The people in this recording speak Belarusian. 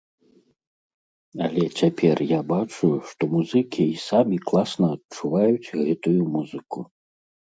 Але цяпер я бачу, што музыкі і самі класна адчуваюць гэтую музыку.